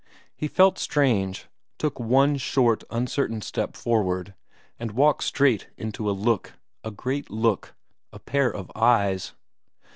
He felt strange took one short, uncertain step forward, and walked straight into a look, a great look, a pair of eyes.